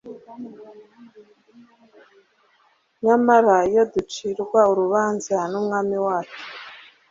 Nyamara, iyo ducirwa urubanza n'Umwami wacu